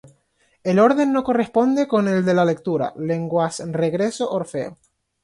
El orden no corresponde con el de lectura: Lenguas-Regreso-Orfeo.